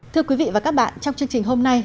thưa quý vị và các bạn trong chương trình hôm nay